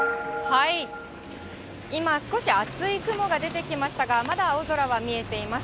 今、少し厚い雲が出てきましたが、まだ青空が見えています。